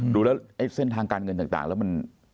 ดูแล้วไอ้เส้นทางการเงินต่างแล้วมัน